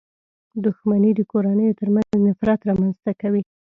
• دښمني د کورنيو تر منځ نفرت رامنځته کوي.